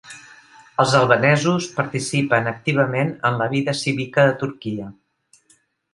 Els albanesos participen activament en la vida cívica de Turquia.